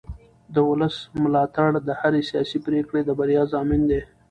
د ولس ملاتړ د هرې سیاسي پرېکړې د بریا ضامن دی